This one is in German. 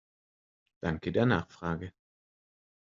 Danke der Nachfrage!